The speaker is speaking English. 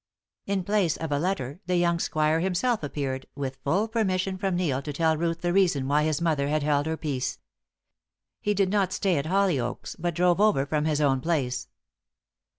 In place of a letter, the young squire himself appeared, with full permission from Neil to tell Ruth the reason why his mother had held her peace. He did not stay at Hollyoaks, but drove over from his own place.